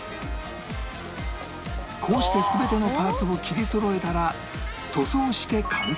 こうして全てのパーツを切りそろえたら塗装して乾燥